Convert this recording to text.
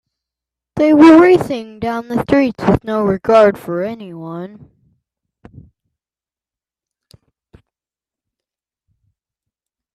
They were racing down the streets with no regard for anyone.